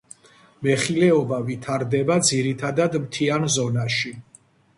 მეხილეობა ვითარდება ძირითადად მთიან ზონაში.